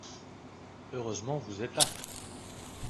Heureusement, vous êtes là